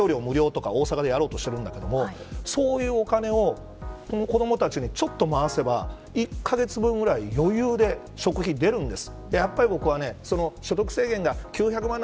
今、高額所得者にも授業料無料とか大阪でやろうとしているんだけどそういうお金をこの子どもたちにちょっと回せば１カ月分ぐらい余裕で食費、出るんです。